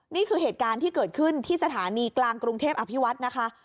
นี่คือเหตุการณ์ที่เกิดขึ้นที่สถานีกลางกรุงเทพอภิวัฒน์นะคะ